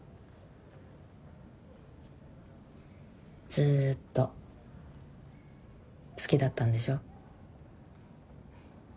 ずっと好きだったんでしょ？